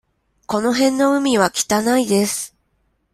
この辺の海は汚いです。